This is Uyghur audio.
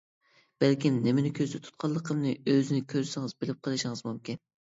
بەلكىم نېمىنى كۆزدە تۇتقانلىقىمنى ئۆزىنى كۆرسىڭىز بىلىپ قېلىشىڭىز مۇمكىن.